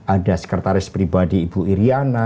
ada sekretaris pribadi ibu iryana